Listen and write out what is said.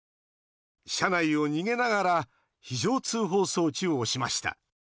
車内を逃げながら非常通報装置を押しました。